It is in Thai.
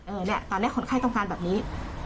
เนี่ยตอนนี้คนไข้ต้องการแบบนี้